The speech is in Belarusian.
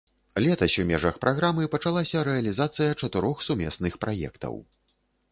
Летась у межах праграмы пачалася рэалізацыя чатырох сумесных праектаў.